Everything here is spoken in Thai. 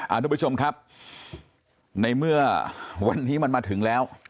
ทุกผู้ชมครับในเมื่อวันนี้มันมาถึงแล้ว